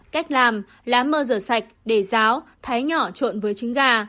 cách làm lá mơ rửa sạch để ráo thái nhỏ trộn với trứng gà